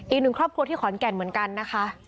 อีกหนึ่งครอบครัวที่ขอนแก่นเหมือนกันนะคะ